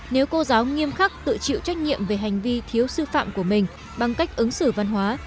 nếu cô giáo nghiêm khắc tự chịu trách nhiệm về hành vi thiếu sư phạm của mình bằng cách ứng xử văn hóa